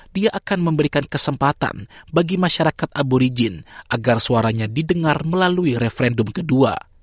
dia akan memberikan kesempatan bagi masyarakat aborigin agar suaranya didengar melalui referendum kedua